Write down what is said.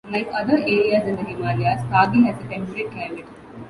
Like other areas in the Himalayas, Kargil has a temperate climate.